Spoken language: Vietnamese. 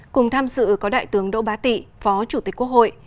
cùng tham dự có đại tướng đỗ bá tị phó chủ tịch quốc hội